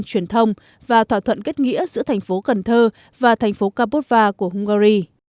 truyền thông và thỏa thuận kết nghĩa giữa thành phố cần thơ và thành phố kabudva của hungary